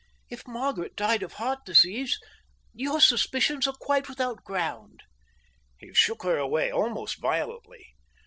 If Margaret died of heart disease, your suspicions were quite without ground." He shook her away, almost violently.